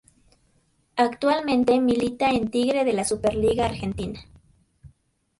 Actualmente milita en Tigre de la Superliga Argentina.